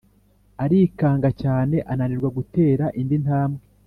arikanga cyane ananirwa gutera indi ntambwe.